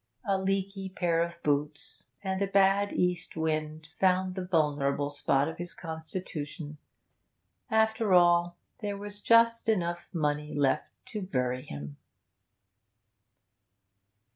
A leaky pair of boots and a bad east wind found the vulnerable spot of his constitution. After all, there was just enough money left to bury him.